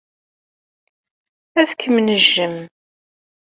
Ad kem-nejjem.